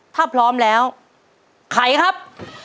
ถ้าพร้อมแล้วไขครับ